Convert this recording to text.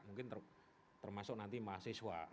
mungkin termasuk nanti mahasiswa